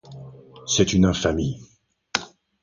C’est une infamie !